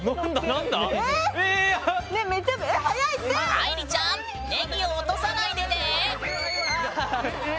愛莉ちゃんネギを落とさないでね！